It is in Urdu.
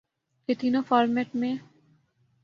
کہ تینوں فارمیٹ میں